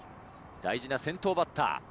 大事な先頭バッター。